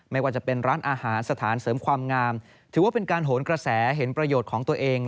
ไม่ว่าจะเป็นร้านอาหารสถานเสริมความงามถือว่าเป็นการโหนกระแสเห็นประโยชน์ของตัวเอง